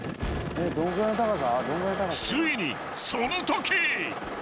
［ついにそのとき］